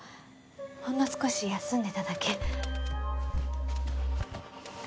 ほんの少し休んでただけ。